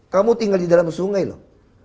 kamu tinggal di dalam sungai loh